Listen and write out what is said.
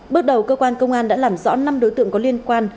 bước đầu cơ quan công an đã làm rõ năm đối tượng có liên quan